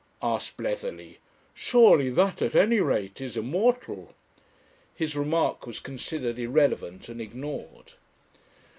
asked Bletherley, "surely that at any rate is immortal!" His remark was considered irrelevant and ignored.